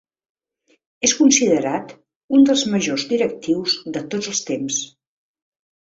És considerat un dels majors directius de tots els temps.